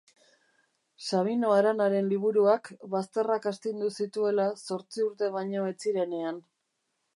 Sabino Aranaren liburuak bazterrak astindu zituela zortzi urte baino ez zirenean